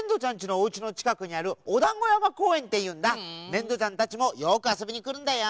ねんどちゃんたちもよくあそびにくるんだよ。